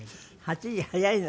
８時早いな。